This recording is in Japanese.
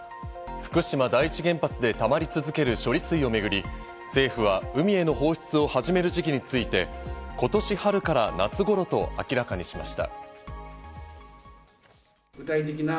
福島第一原発でたまり続ける処理水をめぐり、政府は海への放出を始める時期について、今年春から夏頃と明らかにしました。